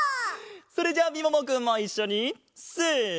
それじゃあみももくんもいっしょにせの！